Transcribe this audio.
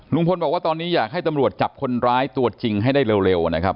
บอกว่าตอนนี้อยากให้ตำรวจจับคนร้ายตัวจริงให้ได้เร็วนะครับ